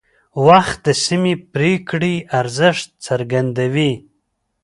وخت د سمې پرېکړې ارزښت څرګندوي